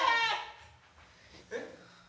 えっ？